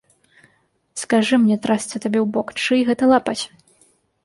Скажы мне, трасца табе ў бок, чый гэта лапаць?!